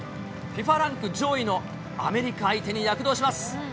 ＦＩＦＡランク上位のアメリカ相手に躍動します。